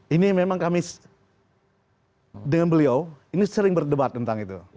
ini memang kami dengan beliau ini sering berdebat tentang itu